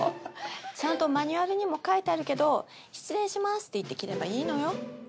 ちゃんとマニュアルにも書いてあるけど「失礼します」って言って切ればいいのよ。